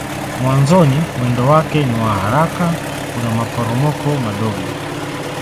Mwanzoni mwendo wake ni wa haraka kuna maporomoko madogo.